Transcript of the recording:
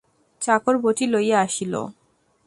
চাকর বঁটি লইয়া আসিল।